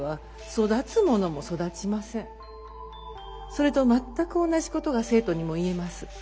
それと全く同じことが生徒にも言えます。